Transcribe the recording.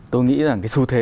tôi nghĩ là cái xu thế